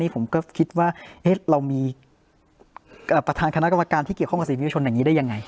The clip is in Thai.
ผมก็คิดว่าเรามีประธานคณะกรรมการที่เกี่ยวข้องกับสิ่งประชนอย่างนี้ได้ยังไง